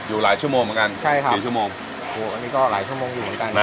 อยู่หลายชั่วโมงเหมือนกันใช่ครับสี่ชั่วโมงโอ้อันนี้ก็หลายชั่วโมงอยู่เหมือนกันนะ